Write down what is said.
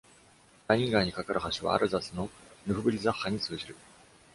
ライン川に架かる橋はアルザスのヌフブリザッハに通じる。